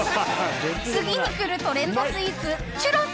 次に来るトレンドスイーツ、チュロス。